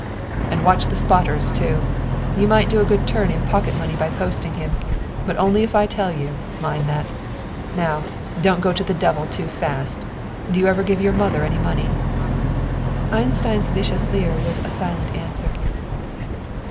"And watch the spotters, too! You might do a good turn in pocket money by posting him, but only as I tell you, mind that! Now, don't go to the devil too fast. Do you ever give your mother any money?" Einstein's vicious leer was a silent answer.